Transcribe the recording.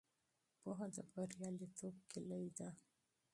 پوهه د بریالیتوب کیلي ده.